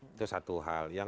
itu satu hal